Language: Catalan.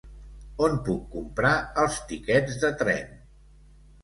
On puc comprar els tiquets de tren?